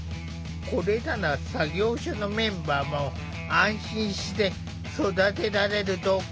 これなら作業所のメンバーも安心して育てられると考えたのだ。